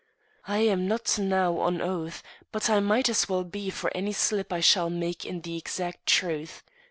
I am not now on oath, but I might as well be for any slip I shall make in the exact truth.